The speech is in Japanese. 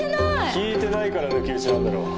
聞いてないから抜き打ちなんだろ。